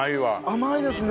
甘いですね。